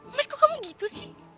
masku kamu gitu sih